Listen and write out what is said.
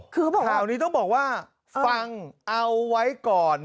ท่านี้ต้องบอกว่าฟังเอาไว้ก่อน